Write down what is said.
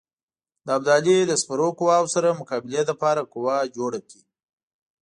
د ابدالي د سپرو قواوو سره مقابلې لپاره قوه جوړه کړي.